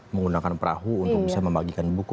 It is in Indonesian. menggunakan perahu untuk bisa membagikan buku